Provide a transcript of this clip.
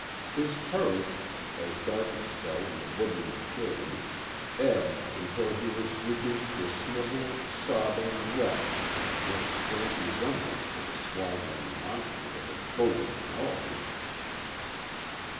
His courage, as darkness fell in the woodland clearing, ebbed until he was reduced to a sniveling, sobbing wretch with scant resemblance to the swaggering monster that had bullied Penelope.